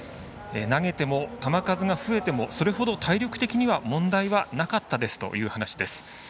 投げても球数が増えてもそれほど体力的には問題はなかったですという話です。